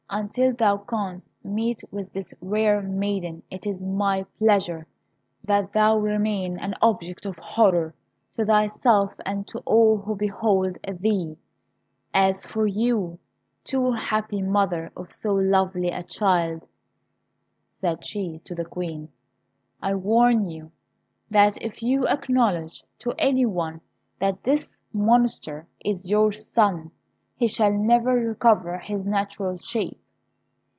Until thou canst meet with this rare maiden it is my pleasure that thou remain an object of horror to thyself and to all who behold thee. As for you, too happy mother of so lovely a child," said she to the Queen, "I warn you that if you acknowledge to any one that this monster is your son, he shall never recover his natural shape.